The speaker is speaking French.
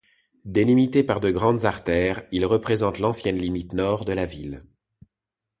Délimité par de grandes artères, il représente l'ancienne limite nord de la ville.